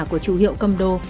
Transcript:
của chủ hiệu cầm đồ